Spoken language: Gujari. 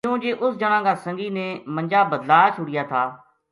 کیوں جی اس جنا کا سنگی نے منجا بدلا چھوڈیا تھا